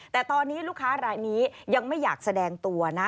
แต่ตอนนี้ลูกค้ารายนี้ยังไม่อยากแสดงตัวนะ